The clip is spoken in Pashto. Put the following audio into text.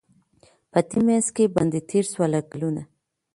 په دې منځ کي باندی تېر سوله کلونه